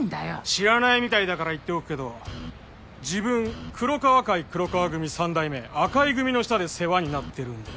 知らないみたいだから言っておくけど自分黒川会黒川組三代目赤井組の下で世話になってるんで。